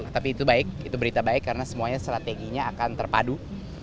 tapi itu baik itu berita baik karena semuanya strateginya akan terpadu